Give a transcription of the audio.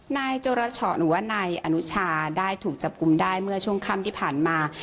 นายโจรชะหรือว่านายอนุชาได้ถูกจับกลุ่มได้เมื่อช่วงค่ำที่ผ่านมา